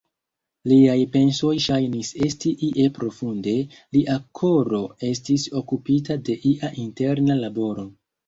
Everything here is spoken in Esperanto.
Liaj pensoj ŝajnis esti ie profunde, lia koro estis okupita de ia interna laboro.